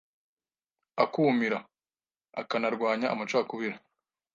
akumira, akanarwanya amacakubiri